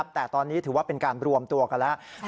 แต่ตอนนี้ถือว่าเป็นการรวมตัวกันแล้ว